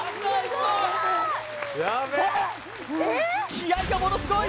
気合がものすごい！